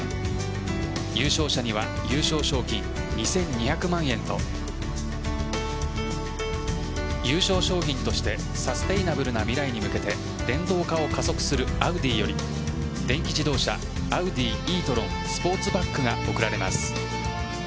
優勝者には優勝賞金２２００万円と優勝賞品としてサステイナブルな未来に向けて電動化を加速するアウディより電気自動車Ａｕｄｉｅ‐ｔｒｏｎＳｐｏｒｔｂａｃｋが贈られます。